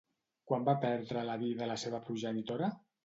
Quan va perdre la vida la seva progenitora?